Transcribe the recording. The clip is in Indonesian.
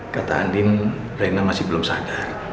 kata andin rena masih belum sadar